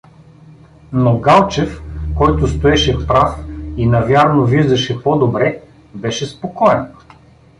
Но Галчев, който стоеше прав и навярно виждаше по-добре, беше спокоен.